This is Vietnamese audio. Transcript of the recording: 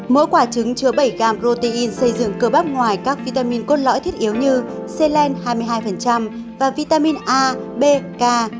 mỗi quả trứng chứa bảy gram protein xây dựng cơ bắp ngoài các vitamin cốt lõi thiết yếu như selen hai mươi hai và vitamin a b k